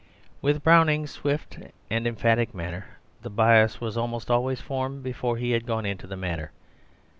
With Browning's swift and emphatic nature the bias was almost always formed before he had gone into the matter.